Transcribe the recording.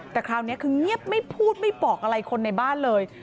แต่คราวนี้คือเงียบไม่พูดไม่บอกอะไรคนในบ้านเลย